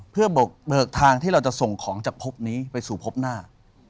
เพื่อเบิกทางที่เราจะส่งของจากพบนี้ไปสู่พบหน้า